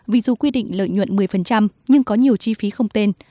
vì dù quy định lợi nhuận một mươi nhưng có nhiều chi phí không tên